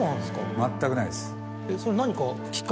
全くないです。